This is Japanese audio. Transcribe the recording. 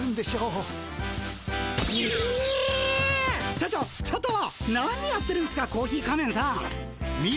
ちょちょちょっと何やってるんすかコーヒー仮面さん。